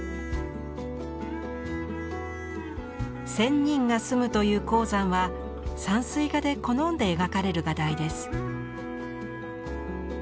仙人が住むという黄山は山水画で好んで描かれる画題です。